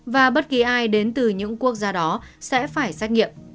và bất kỳ ai đến từ những quốc gia đó sẽ phải xét nghiệm